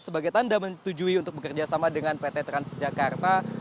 sebagai tanda menetujui untuk bekerja sama dengan pt transjakarta